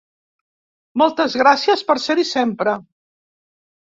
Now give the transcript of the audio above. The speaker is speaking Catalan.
Moltes gràcies per ser-hi sempre!